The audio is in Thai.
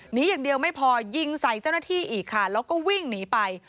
หนีอย่างเดียวไม่พอยิงใส่เจ้าหน้าที่อีกค่ะแล้วก็วิ่งหนีไป